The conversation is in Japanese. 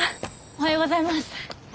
おはようございます。